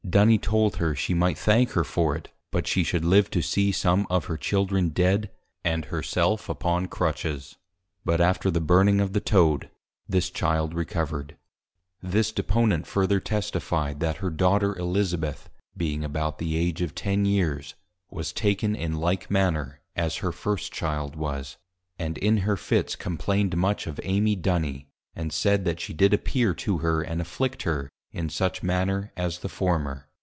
Duny told her, she might thank her for it; but she should live to see some of her Children Dead, and her self upon Crutches. But after the Burning of the Toad, this Child Recovered. This Deponent further Testifi'd, That Her Daughter Elizabeth, being about the Age of Ten Years, was taken in like manner, as her first Child was, and in her Fits complained much of Amy Duny, and said, that she did appear to Her, and afflict her in such manner as the former.